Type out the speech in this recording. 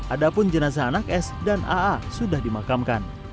adapun jenazah anak s dan aa sudah dimakamkan